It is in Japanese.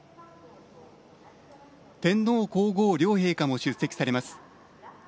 天皇皇后両陛下も出席されます。